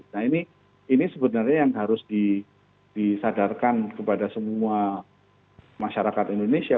nah ini sebenarnya yang harus disadarkan kepada semua masyarakat indonesia